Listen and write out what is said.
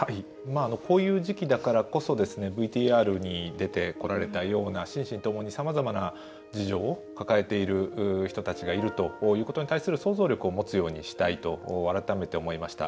こういう時期だからこそＶＴＲに出てこられたような心身ともに、さまざまな事情を抱えている人たちがいるということに対する想像力を持つようにしたいと改めて思いました。